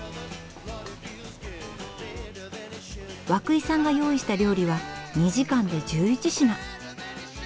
涌井さんが用意した料理は２時間で１１品。